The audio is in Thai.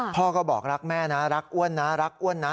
พ่อก็บอกรักแม่นะรักอ้วนนะรักอ้วนนะ